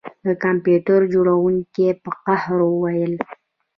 د کمپیوټر جوړونکي په قهر وویل